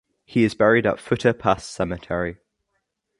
He is buried at Futa Pass Cemetery.